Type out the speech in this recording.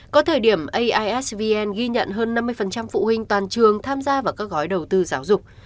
có thời điểm aisvn ghi nhận hơn năm mươi phụ huynh toàn trường tham gia vào các gói đầu tư giáo dục